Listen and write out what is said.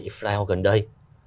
israel gần đây